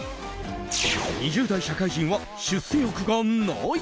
２０代社会人は出世欲がない。